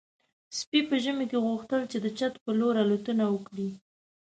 سپي په ژمي کې غوښتل چې د چت په لور الوتنه وکړي.